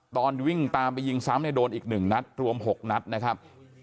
ตอนวิ่งตามไปยิงซ้ำเนี่ยโดนอีก๑นัดรวม๖นัดนะครับ